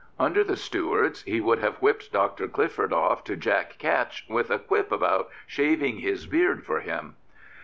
Under the Stuarts he would have whipped Dr. Clifford off to Jack Ketch with a quip about shaving his beard for him.